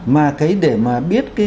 mà cái để mà biết